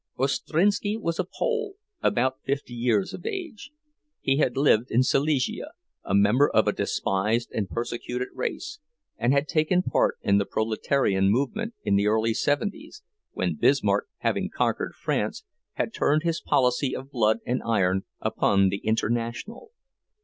Ostrinski was a Pole, about fifty years of age. He had lived in Silesia, a member of a despised and persecuted race, and had taken part in the proletarian movement in the early seventies, when Bismarck, having conquered France, had turned his policy of blood and iron upon the "International."